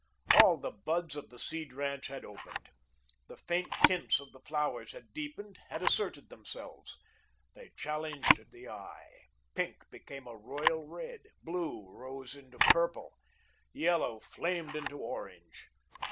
All the buds of the Seed ranch had opened. The faint tints of the flowers had deepened, had asserted themselves. They challenged the eye. Pink became a royal red. Blue rose into purple. Yellow flamed into orange.